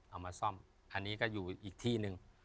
เอามาซ่อมอันนี้ก็อยู่อีกที่หนึ่ง